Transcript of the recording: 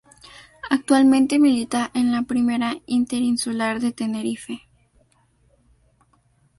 Actualmente milita en la Primera Interinsular de Tenerife.